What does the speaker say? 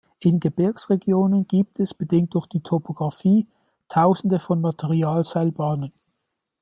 In Gebirgsregionen gibt es, bedingt durch die Topografie, tausende von Materialseilbahnen.